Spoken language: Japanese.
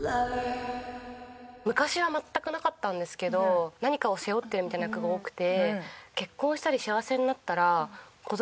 昔は全くなかったんですけど何かを背負ってるみたいな役が多くて。